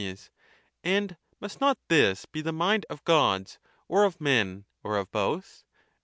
Soc. And must not this be the mind of Gods, or of men or of both?